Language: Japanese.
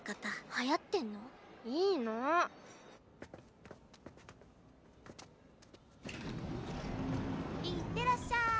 はやってんの？いいの！いってらっしゃい！